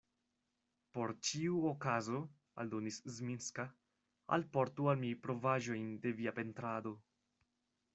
Por ĉiu okazo, aldonis Zminska, alportu al mi provaĵojn de via pentrado.